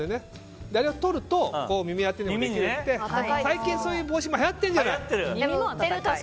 あれを取ると耳当てにもなって最近、そういう帽子もはやってるじゃない。